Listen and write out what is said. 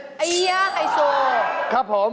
เฮี่ยไก่โซ